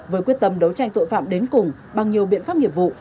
với quyết tâm đấu tranh tội phạm đến cùng bằng nhiều biện pháp nghiệp vụ